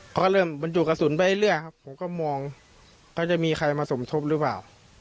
เขาก็เริ่มบรรจุกระสุนไปเรื่อยครับผมก็มองเขาจะมีใครมาสมทบหรือเปล่า